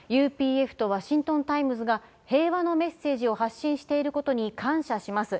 ＵＰＦとワシントン・タイムズが、平和のメッセージを発信していることに感謝します。